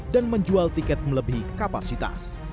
dan menjual tiket melebihi kapasitas